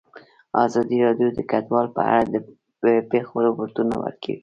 ازادي راډیو د کډوال په اړه د پېښو رپوټونه ورکړي.